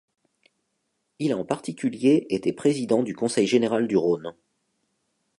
Il a en particulier été président du conseil général du Rhône.